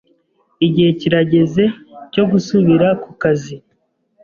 Igihe kirageze cyo gusubira ku kazi.